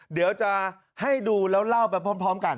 เดี๋ยวจะให้ดูแล้วเล่าไปพร้อมกัน